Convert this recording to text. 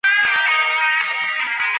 沈静的夜里他深深的叹息